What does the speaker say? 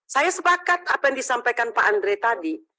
saya sepakat apa yang disampaikan pak andre tadi